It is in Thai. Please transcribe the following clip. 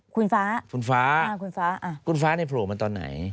คุณฟ้าคุณฟ้าคุณฟ้าคุณฟ้าเนี่ยโผล่มาตอนไหน